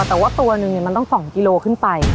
แต่ว่าตัวหนึ่งมันต้อง๒กิโลขึ้นไป